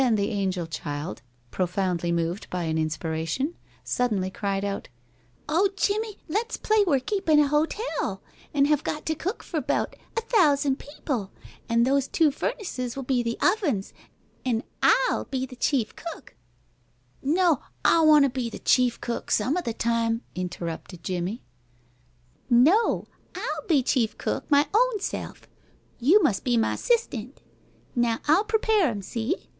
Then the angel child, profoundly moved by an inspiration, suddenly cried out, "Oh, Jimmie, let's play we're keepin' a hotel, an' have got to cook for 'bout a thousand people, an' those two furnaces will be the ovens, an' I'll be the chief cook " "No; I want to be chief cook some of the time," interrupted Jimmie. "No; I'll be chief cook my own self. You must be my 'sistant. Now I'll prepare 'em see?